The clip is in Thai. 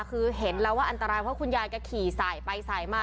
คือเห็นแล้วว่าอันตรายเพราะคุณยายแกขี่สายไปสายมา